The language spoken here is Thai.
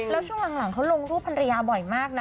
แล้วช่วงหลังเขาลงรูปภรรยาบ่อยมากนะ